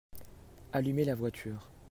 Allumer la voiture.